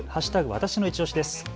わたしのいちオシです。